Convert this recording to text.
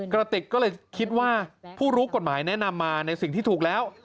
กระติกก็เลยคิดว่าผู้รู้กฎหมายแนะนำมาในสิ่งที่ถูกแล้ว